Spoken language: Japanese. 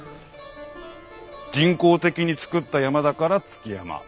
人工的に作った山だから築山。